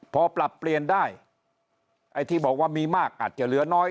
พอปรับเปลี่ยนได้ไอ้ที่บอกว่ามีมากอาจจะเหลือน้อย